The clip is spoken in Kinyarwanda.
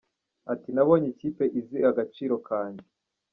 Ati "Nabonye ikipe izi agaciro kanjye.